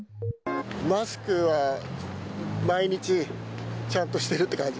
マスクは毎日ちゃんとしてるって感じ。